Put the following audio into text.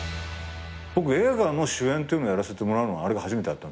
僕映画の主演っていうのやらせてもらうのあれが初めて。